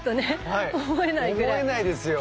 はい思えないですよ。